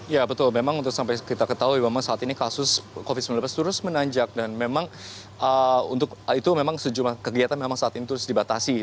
ya betul memang untuk sampai kita ketahui memang saat ini kasus covid sembilan belas terus menanjak dan memang untuk itu memang sejumlah kegiatan memang saat ini terus dibatasi